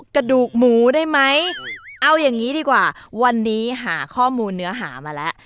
กระดูกหมูได้ไหมเอาอย่างนี้ดีกว่าวันนี้หาข้อมูลเนื้อหามาแล้ว